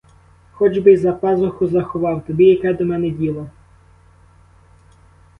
Хоч би й за пазуху заховав, тобі яке до мене діло?